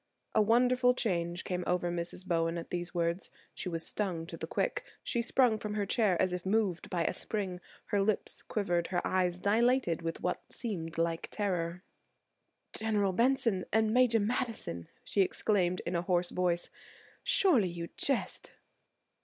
A wonderful change came over Mrs. Bowen at these words. She was stung to the quick. She sprung from her chair as if moved by a spring; her lips quivered, her eyes dilated with what seemed like terror. "General Benson and Major Madison!" she exclaimed in a hoarse voice, "surely you jest."